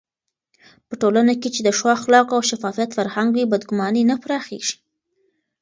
په ټولنه کې چې د ښو اخلاقو او شفافيت فرهنګ وي، بدګماني نه پراخېږي.